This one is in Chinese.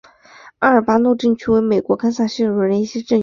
阿尔巴诺镇区为美国堪萨斯州斯塔福德县辖下的镇区。